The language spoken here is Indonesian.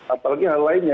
apalagi hal lainnya